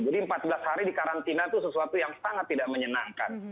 jadi empat belas hari dikarantina itu sesuatu yang sangat tidak menyenangkan